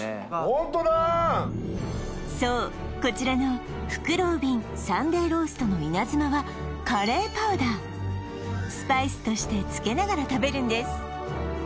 ホントだそうこちらのふくろう便サンデーローストの稲妻はカレーパウダースパイスとしてつけながら食べるんです